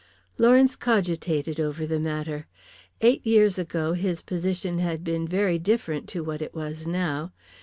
Lawrence cogitated over the matter. Eight years ago his position had been very different to what it was now.